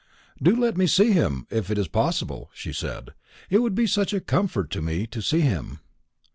"Do let me see him, if it is possible," she said; "it would be such a comfort to me to see him."